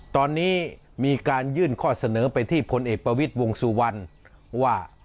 ตอนนี้มีการยื่นข้อเสนอไปที่พลเอกประวิทย์วงสุวรรณว่า